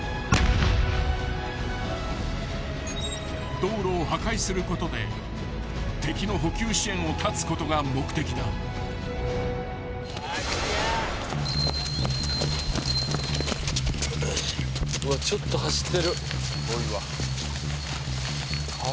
［道路を破壊することで敵の補給支援を断つことが目的だ］早く行け！